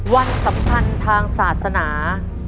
วันสัมพันธ์ทางศาสนา